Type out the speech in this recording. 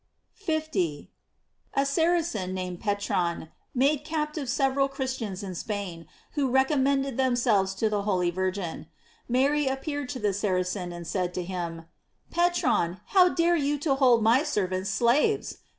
* 50. — A Saracen, named Petran, made captive several Christians in Spain, who recommended themselves to the holy Virgin. Mary appeared to the Saracen, and said to him: "Petran, how dare you to hold my servants slaves?